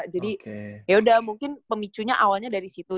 jadi yaudah mungkin pemicunya awalnya dari situ